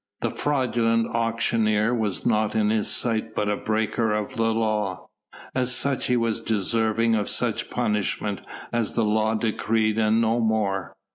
The fraudulent auctioneer was naught in his sight but a breaker of the law. As such he was deserving of such punishment as the law decreed and no more.